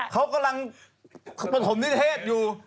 เขากำลังปฐมนิเทศอยู่